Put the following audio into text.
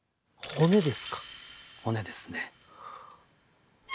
骨ですね。